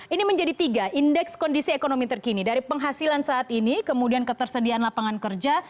ini menjadi tiga indeks kondisi ekonomi terkini dari penghasilan saat ini kemudian ketersediaan lapangan kerja